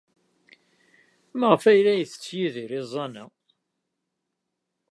Maɣef ay la yettett Yidir iẓẓan-a?